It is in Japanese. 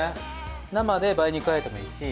生で梅肉あえてもいいし。